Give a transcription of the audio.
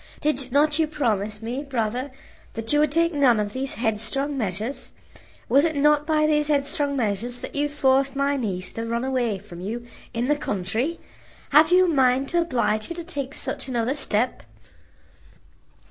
Did not you promise me, brother, that you would take none of these headstrong measures? Was it not by these headstrong measures that you forced my niece to run away from you in the country? Have you a mind to oblige her to take such another step?"